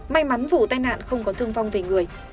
may mắn vụ tai nạn không có thương vong về người